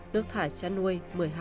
nước thải chăn nuôi một mươi hai hai